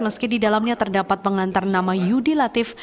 meski di dalamnya terdapat pengantar nama yudi latif